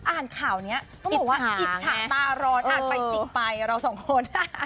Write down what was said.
อ่านข่าวเนี่ยอิจฉาตาร้อนอ่านไปจิบไปเราสองคน